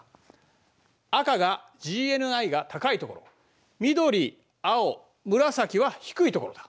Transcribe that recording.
赤がＧＮＩが高いところ緑青紫は低いところだ。